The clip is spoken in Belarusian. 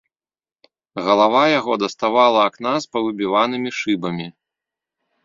Галава яго даставала акна з павыбіванымі шыбамі.